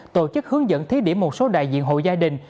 tổ chức hướng dẫn thí điểm một số đại diện hội gia đình